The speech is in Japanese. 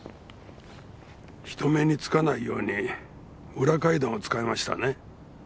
人目につかないように裏階段を使いましたね？